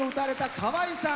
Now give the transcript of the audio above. かわいさん。